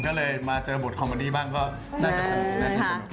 ก็เลยมาเจอบทคอมโมดี้บ้างก็น่าจะสนิท